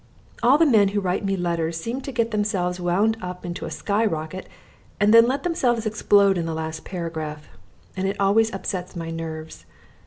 All the men who write me letters seem to get themselves wound up into a sky rocket and then let themselves explode in the last paragraph, and it always upsets my nerves.